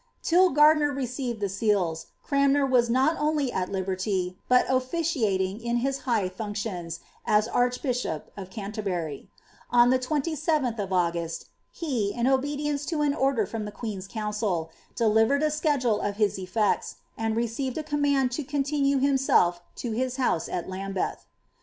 Till Gardiner received the seals, Cranmer was not only at liberty, but oRiciaiiag in his high functions, as arcUbish'ip of Canter bury. On the 27ih of August, he, in obedience to an order from the qiieen^f conncfl, delivered a schedale of hb eftctt, tnd rMoivei a ei«K mend to confiDe hiniBelf to hie houee at I^mbeth.